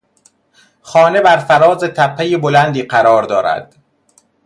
خانه بر فراز تپهی بلندی قرار دارد.